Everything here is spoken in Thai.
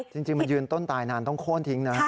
จริงมันยืนต้นตายนานต้องโค้นทิ้งนะ